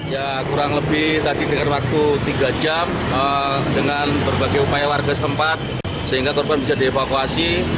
ya kurang lebih tadi dengan waktu tiga jam dengan berbagai upaya warga setempat sehingga korban bisa dievakuasi